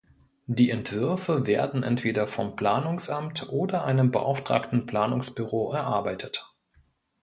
Die Entwürfe werden entweder vom Planungsamt oder einem beauftragten Planungsbüro erarbeitet.